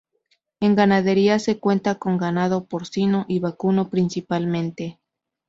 En ganadería se cuenta con ganado porcino y vacuno principalmente.